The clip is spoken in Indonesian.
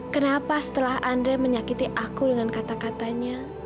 kenapa setelah andre menyakiti aku dengan kata katanya